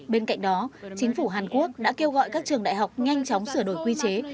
bên cạnh đó chính phủ hàn quốc đã kêu gọi các trường đại học nhanh chóng sửa đổi quy chế